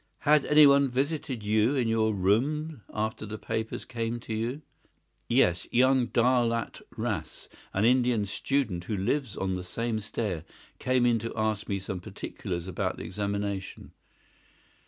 Had anyone visited you in your room after the papers came to you?" "Yes; young Daulat Ras, an Indian student who lives on the same stair, came in to ask me some particulars about the examination."